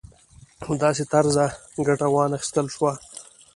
له داسې طرزه ګټه وانخیستل شوه.